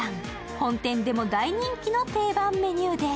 本店でも大人気の定番メニューです。